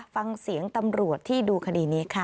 ฟังเสียงตำรวจที่ดูคดีนี้ค่ะ